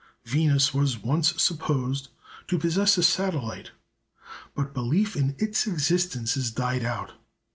Venus was once supposed to possess a satellite. But belief in its existence has died out.